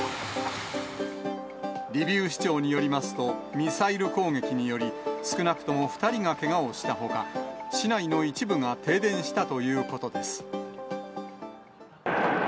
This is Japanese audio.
リビウ市長によりますと、ミサイル攻撃により、少なくとも２人がけがをしたほか、市内の一部が停電したということです。